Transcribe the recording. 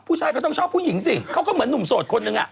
ผู้ชายก็ต้องชอบผู้หญิงสิเขาก็เหมือนหนุ่มโสดคนนึงอ่ะ